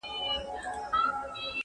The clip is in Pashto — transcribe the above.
نور به د پېغلوټو د لونګ خبري نه کوو،